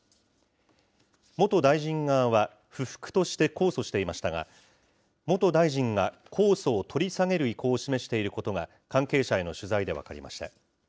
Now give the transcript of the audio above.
元大臣側は、不服として控訴していましたが、元大臣が控訴を取り下げる意向を示していることが関係者への取材で分かりました。